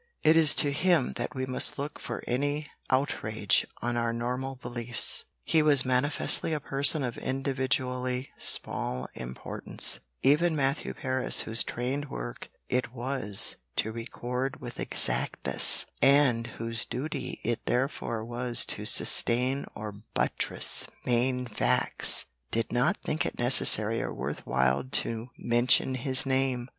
It is to him that we must look for any outrage on our normal beliefs. He was manifestly a person of individually small importance even Matthew Paris whose trained work it was to record with exactness, and whose duty it therefore was to sustain or buttress main facts, did not think it necessary or worth while to mention his name.